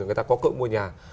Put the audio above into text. người ta có cơm mua nhà